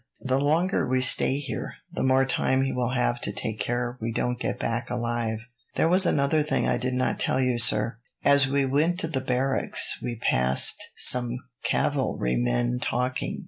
The longer we stay here, the more time he will have to take care we don't get back alive. "There was another thing I did not tell you, sir. As we went to the barracks, we passed some cavalry men talking.